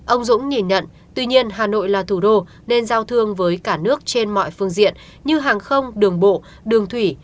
ông dũng nhìn nhận tuy nhiên hà nội là thủ đô nên giao thương với cả nước trên mọi phương diện như hàng không đường bộ đường thủy